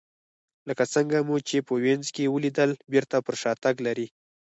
لکه څنګه مو چې په وینز کې ولیدل بېرته پر شا تګ لري